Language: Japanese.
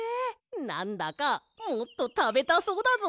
なんだかもっとたべたそうだぞ。